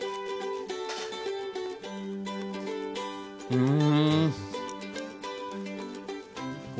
うん。